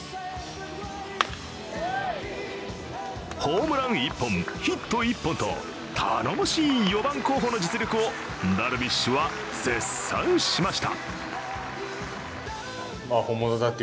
ホームラン１本、ヒット１本と頼もしい４番候補の実力をダルビッシュは絶賛しました。